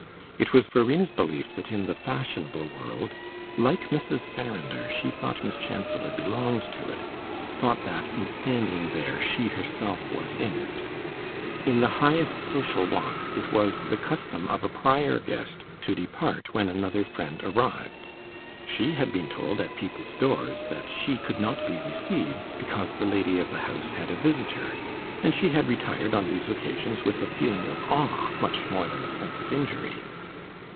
It was Verena's belief that in the fashionable world (like Mrs. Farrinder, she thought Miss Chancellor belonged to it thought that, in standing there, she herself was in it) in the highest social walks it was the custom of a prior guest to depart when another friend arrived. She had been told at people's doors that she could not be received because the lady of the house had a visitor, and she had retired on these occasions with a feeling of awe much more than a sense of injury.